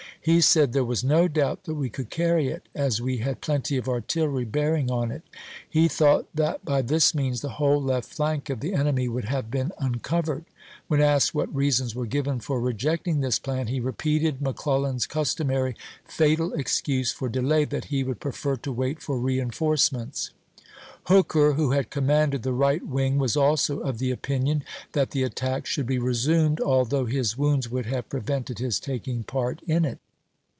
He said there was no doubt that we could carry it, as we had plenty of artillery bearing on it. He thought that by this means the whole left flank of the enemy would have been uncovered. When asked what T^Sonf, reasons were given for rejecting this plan, he C(S?m^ttee repeated McClellan's customary fatal excuse for oMhe\ar! delay, that he would prefer to wait for reenforce p. 627." ments. Hooker, who had commanded the right wing, was also of the opinion that the attack should be resumed, although his wounds would have pre vented his taking part in it.